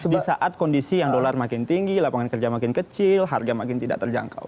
di saat kondisi yang dolar makin tinggi lapangan kerja makin kecil harga makin tidak terjangkau